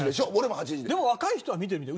でも若い人は見てるみたい。